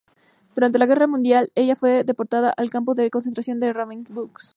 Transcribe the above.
Durante la Segunda Guerra Mundial, ella fue deportada al Campo de concentración de Ravensbrück.